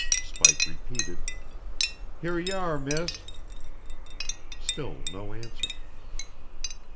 Spike repeated: "Here y'are, miss." Still no answer.